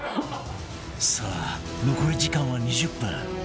さあ残り時間は２０分